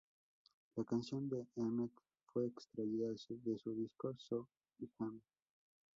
La canción de Emmett fue extraída de su disco "So I Am".